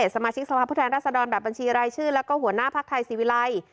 สมัยชิกสภาผู้แทนราษฎรแบบบัญชีรายชื่อและหัวหน้าภาคไทยสิวิไลน์